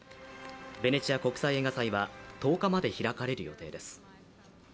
ベネチア国際映画祭は１０日まで開かれる予定です。